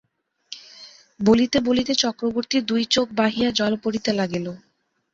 বলিতে বলিতে চক্রবর্তীর দুই চোখ বাহিয়া জল পড়িতে লাগিল।